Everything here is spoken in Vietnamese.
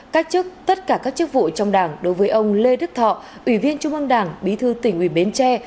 cách chức tất cả các chức vụ trong đảng đối với ông lê đức thọ ủy viên trung ương đảng bí thư tỉnh ủy bến tre